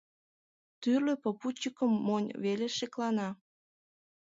Тӱрлӧ попутчикым монь веле шеклана.